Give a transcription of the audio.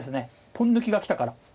ポン抜きがきたから。